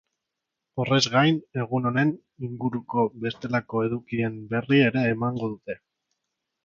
Horrez gain, egun honen inguruko bestelako edukien berri ere emango dute.